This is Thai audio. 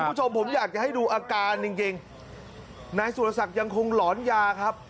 คุณผู้ชมผมอยากจะให้ดูอาการจริงจริงนายสุรศักดิ์ยังคงหลอนยาครับ